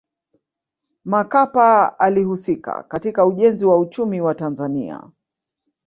makapa alihusika katika ujenzi wa uchumi wa tanzania